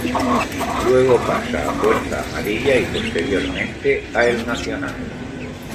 Luego pasa a Fuerza Amarilla y posteriormente a El Nacional.